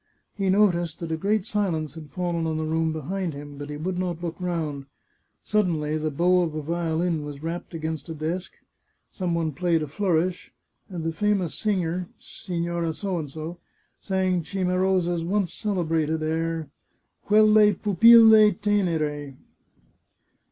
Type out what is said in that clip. He noticed that a great silence had fallen on the room behind him, but he would not look round. Suddenly the bow of a violin was rapped against a desk, some one played a flourish, and the famous singer, Signora P , sang Ci marosa's once celebrated air, Quelle pupille tenere.